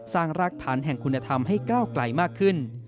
รากฐานแห่งคุณธรรมให้ก้าวไกลมากขึ้น